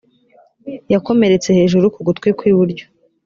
yakomeretse hejuru ku gutwi kw’iburyo